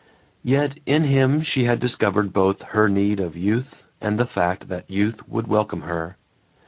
Yet in him she had discovered both her need of youth and the fact that youth would welcome her.